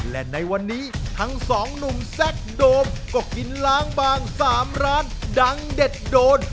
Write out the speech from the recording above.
และในวันนี้ทั้งสองหนุ่มแซคโดมก็กินล้างบาง๓ร้านดังเด็ดโดน